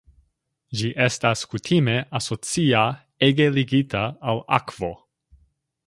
Ĝi estas kutime asocia ege ligita al akvo.